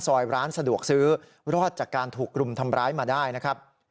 ร้านสะดวกซื้อรอดจากการถูกรุมทำร้ายมาได้นะครับ